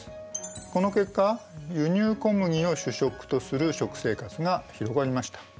この結果輸入小麦を主食とする食生活が広がりました。